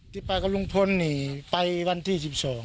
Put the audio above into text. ที่ไปกับลุงพลนี่ไปวันที่๑๒